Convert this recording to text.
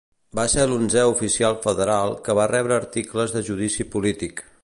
Va ser l'onzè oficial federal que va rebre articles de judici polític.